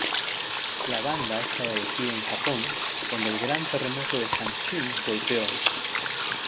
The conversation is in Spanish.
La banda estaba de gira en Japón cuando el gran terremoto de Hanshin golpeó.